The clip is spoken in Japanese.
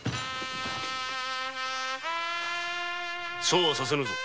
そうはさせぬぞ！